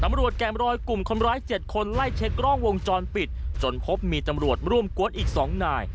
ตำรวจแก่มรอยกลุ่มคนร้าย๗คนไล่เช็คกล้องวงจรปิดจนพบมีตำรวจร่วมกวนอีก๒นาย